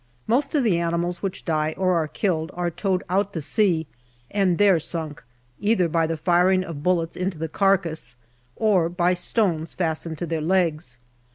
Most of the animals which die or are killed are towed out to sea and there sunk, either by the firing of bullets into the carcass or by stones fastened to their legs.